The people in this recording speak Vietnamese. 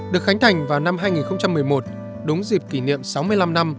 được khánh thành vào năm hai nghìn một mươi một đúng dịp kỷ niệm sáu mươi năm năm